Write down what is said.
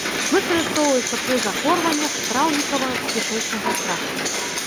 Выкарыстоўваецца пры захворваннях страўнікава-кішэчнага тракту.